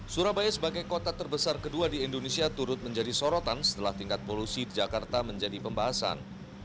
surabaya sebagai kota terbesar kedua di indonesia turut menjadi sorotan setelah tingkat polusi di jakarta menjadi pembahasan